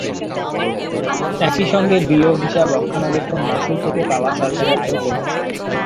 একই সঙ্গে বিও হিসাব রক্ষণাবেক্ষণ মাশুল থেকে পাওয়া সরকারের আয়ও কমেছে।